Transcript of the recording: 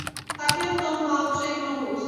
Také v tom vám přeji mnoho úspěchů.